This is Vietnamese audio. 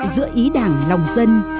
giữa ý đảng lòng dân